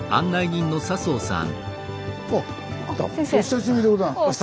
あっお久しぶりでございます。